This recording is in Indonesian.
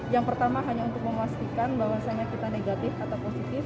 yang pertama hanya untuk memastikan bahwasannya kita negatif atau positif